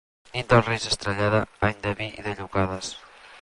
Nit dels Reis estrellada, any de vi i de llocades.